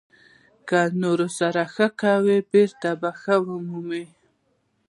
• که له نورو سره ښه کوې، بېرته به یې ښه ومومې.